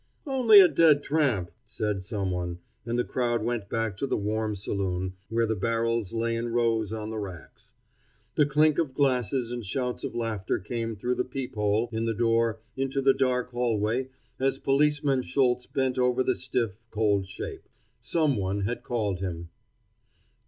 "Only a dead tramp," said some one, and the crowd went back to the warm saloon, where the barrels lay in rows on the racks. The clink of glasses and shouts of laughter came through the peep hole in the door into the dark hallway as Policeman Schultz bent over the stiff, cold shape. Some one had called him.